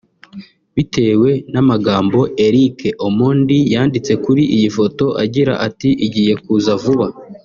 Bitewe n’amagambo Eric Omondi yanditse kuri iyi foto agira ati ‘Igiye kuza vuba’